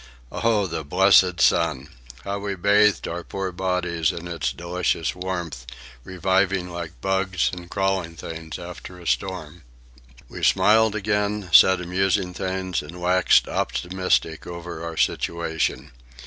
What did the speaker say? Oh, the blessed sun! How we bathed our poor bodies in its delicious warmth, reviving like bugs and crawling things after a storm. We smiled again, said amusing things, and waxed optimistic over our situation.